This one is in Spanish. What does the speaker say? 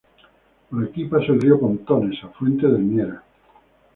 Por aquí pasa el río Pontones, afluente del Miera.